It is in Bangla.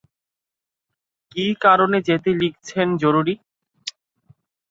কী কারণে যেতে লিখেছেন, জরুরি।